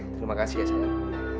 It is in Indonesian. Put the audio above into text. terima kasih ya sayang